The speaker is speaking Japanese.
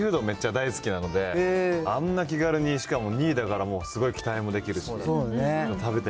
めっちゃ大好きなので、あんな気軽にしかも２位だから、すごい期待もできるし。